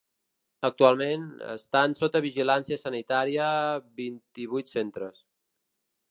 Actualment, estan sota vigilància sanitària vint-i-vuit centres.